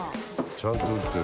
ちゃんと打ってる。